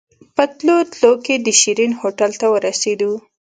په تلو تلو کې د شيرين هوټل ته ورسېدو.